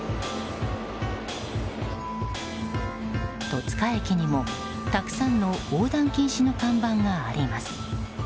戸塚駅にも、たくさんの横断禁止の看板があります。